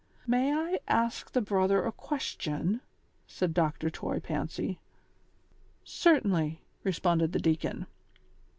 "May I ask the brother a question?" said Dr. Toy Fancy. " Certainly," responded the deacon.